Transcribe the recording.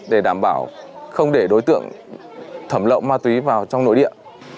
để đảm bảo không để đối tượng thẩm lỗ ma tuy vào trong nội địa